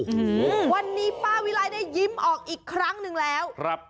อืมวันนี้ป้าวิรัยได้ยิ้มออกอีกครั้งหนึ่งแล้วครับ